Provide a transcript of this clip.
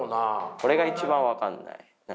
これが一番分かんない。